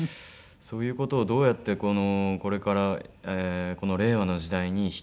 そういう事をどうやってこれからこの令和の時代に引き継げるのか。